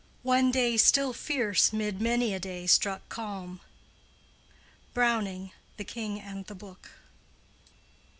"One day still fierce 'mid many a day struck calm." —BROWNING: The King and the Book.